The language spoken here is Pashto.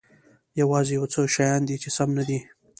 یوازې یو څه شیان دي چې سم نه دي.